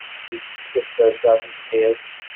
Yessefk ad ferseɣ tibḥirt.